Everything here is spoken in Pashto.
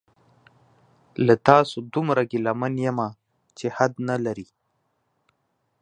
له تاسو دومره ګیله من یمه چې حد نلري